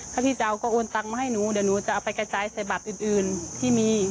ถ้าพี่จะเอาก็โอนตังมาให้หนูเดี๋ยวหนูจะเอาไปกระจายใส่บัตรอื่นที่มี